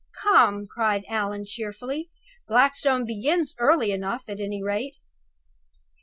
Come!" cried Allan, cheerfully, "Blackstone begins early enough, at any rate!"